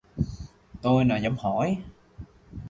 Tôi nào dám hỏi